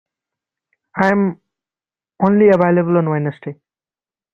I am only available on Wednesday.